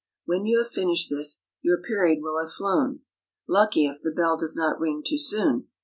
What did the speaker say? When you have finished this, your period will have flown (lucky if the bell does not ring too soon!)